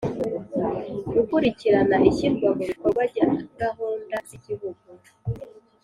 Gukurikirana ishyirwa mu bikorwa rya gahunda z’igihugu